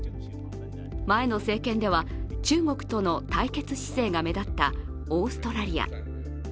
前の政権では中国との対決姿勢が目立ったオーストラリア。